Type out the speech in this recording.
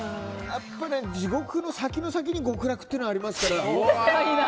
地獄の先の先に極楽っていうのはありますから。